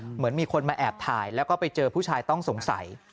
เหมือนมีคนมาแอบถ่ายแล้วก็ไปเจอผู้ชายต้องสงสัย